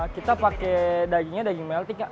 kita pakai dagingnya daging melitik